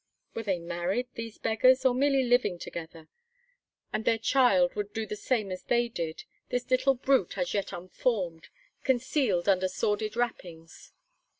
Were they married, these beggars, or merely living together? And their child would do the same as they did, this little brute as yet unformed, concealed under sordid wrappings.